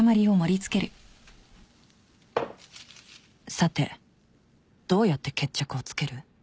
さてどうやって決着をつける？